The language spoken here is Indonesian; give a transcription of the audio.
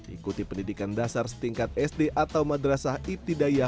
ikuti pendidikan dasar setingkat sd atau madrasah ibtidaya